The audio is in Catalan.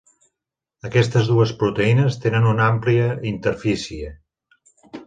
Aquestes dues proteïnes tenen una amplia interfície.